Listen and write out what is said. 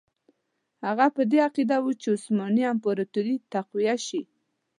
هغه په دې عقیده وو چې عثماني امپراطوري تقویه شي.